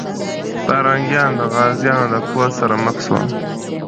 پرنګیان د غازيانو د قوت سره مخ سول.